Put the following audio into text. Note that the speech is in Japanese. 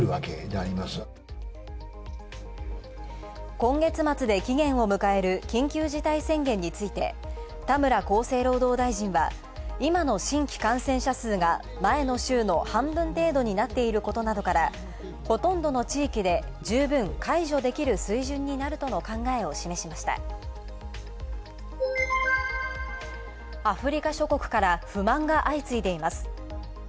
今月末で期限を迎える緊急事態宣言について、田村厚生労働大臣は、今の新規感染者数が前の週の半分程度になっていることなどからほとんどの地域で十分解除できる水準になるとの考えを示しましたアフリカ諸国から不満が相次いでいます。